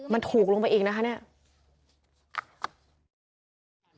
มันถูกลงไปอีกนะคะเนี่ย